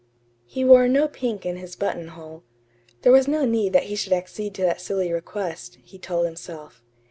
He wore no pink in his buttonhole. There was no need that he should accede to that silly request, he told himself.